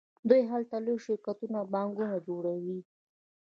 دوی هلته لوی شرکتونه او بانکونه جوړوي